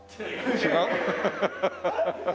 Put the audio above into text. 違う？